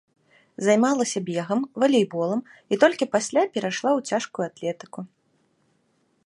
Займалася бегам, валейболам і толькі пасля перайшла ў цяжкую атлетыку.